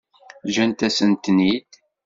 Ǧǧant-asent-ten-id.